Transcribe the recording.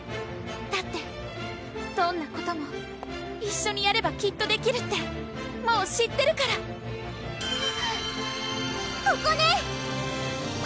だってどんなことも一緒にやればきっとできるってもう知ってるからここね！